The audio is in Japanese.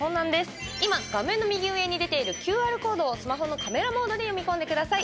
今、画面の右上に出ているＱＲコードをスマホのカメラモードで読み込んでください。